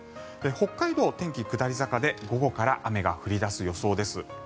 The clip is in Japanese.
北海道、天気下り坂で午後から雨が降り出す予想です。